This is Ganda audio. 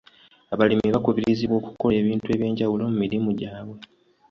Abalimi bakubirizibwa okukola ebintu eby'enjawulo mu mirimu gyabwe.